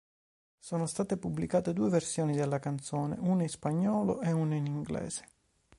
Sono state pubblicate due versioni della canzone; una in spagnolo e una in inglese.